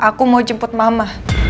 aku mau jemput mama